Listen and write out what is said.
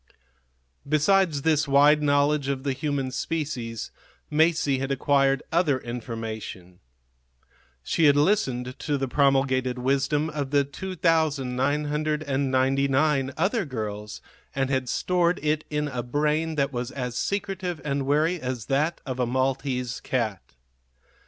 Besides this wide knowledge of the human species, Masie had acquired other information. She had listened to the promulgated wisdom of the 2,999 other girls and had stored it in a brain that was as secretive and wary as that of a Maltese cat.